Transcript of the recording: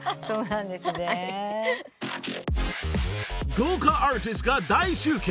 ［豪華アーティストが大集結。